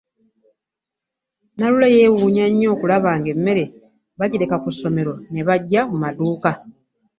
Nalule yeewuunya nnyo okulaba ng'emmere bagireka ku ssomero ne bajja ku maduuka!